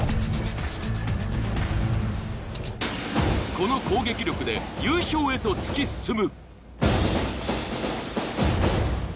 この攻撃力で優勝へと突き進む。